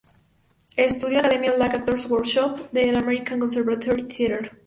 Estudió en la academia Black Actors Workshop del American Conservatory Theater.